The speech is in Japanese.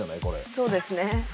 そうですね。